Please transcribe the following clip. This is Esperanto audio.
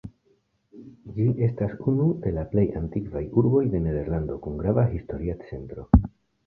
Ĝi estas unu de la plej antikvaj urboj de Nederlando kun grava historia centro.